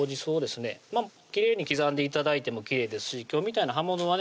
きれいに刻んで頂いてもきれいですし今日みたいな葉物はね